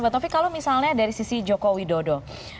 b disciples kalau misalnya dari sisi joko widodo